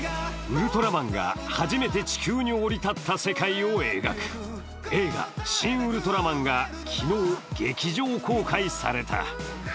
ウルトラマンが初めて地球に降り立った世界を描く映画「シン・ウルトラマン」が昨日劇場公開された。